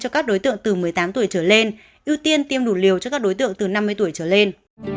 cho các đối tượng từ một mươi tám tuổi trở lên ưu tiên tiêm đủ liều cho các đối tượng từ năm mươi tuổi trở lên